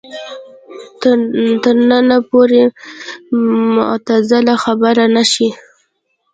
تر ننه پورې معتزله خبره نه شي